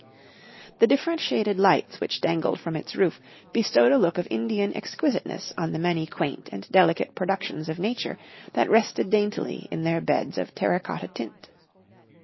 The different shaded lights which dangled from its roof bestowed a look of Indian exquisiteness on the many quaint and delicate productions of nature that rested daintily in their beds of terra cotta tint.